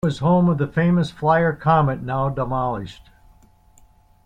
It was home of the famous Flyer Comet, now demolished.